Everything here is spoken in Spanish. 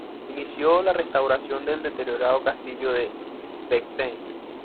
Inició la restauración del deteriorado Castillo de Bentheim.